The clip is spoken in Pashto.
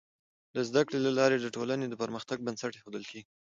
د زده کړي له لارې د ټولني د پرمختګ بنسټ ایښودل کيږي.